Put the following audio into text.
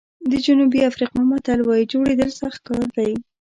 د جنوبي افریقا متل وایي جوړېدل سخت کار دی.